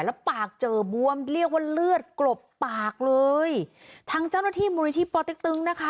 แล้วปากเจอบวมเรียกว่าเลือดกลบปากเลยทางเจ้าหน้าที่มูลนิธิปอติ๊กตึงนะคะ